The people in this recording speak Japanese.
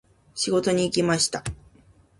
仕事に行きました。